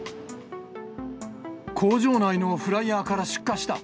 工場内のフライヤーから出火した。